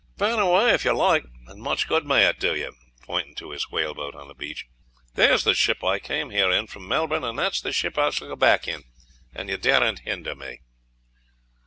"Burn away, if you like, and much good may it do you." Pointing to his whaleboat on the beach, "There's the ship I came here in from Melbourne, and that's the ship I shall go back in, and you daren't hinder me."